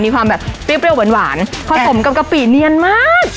มีความแบบเปรี้ยวหวานผสมกับกะปิเนียนมาก